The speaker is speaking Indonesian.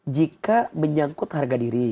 jika menyangkut harga diri